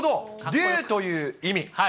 竜という意味。